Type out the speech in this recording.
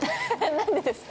◆何でですか。